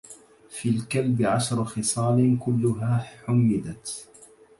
في الكلب عشر خصال كلها حمدت